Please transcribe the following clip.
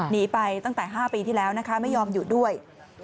หนีไปตั้งแต่๕ปีที่แล้วนะคะไม่ยอมอยู่ด้วย